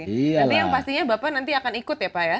nanti yang pastinya bapak nanti akan ikut ya pak ya